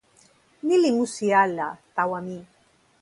ni li musi ala tawa mi.